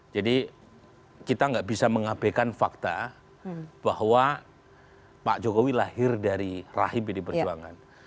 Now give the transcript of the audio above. jadi kita tidak bisa mengabekan fakta bahwa pak jokowi lahir dari rahim pdi perjuangan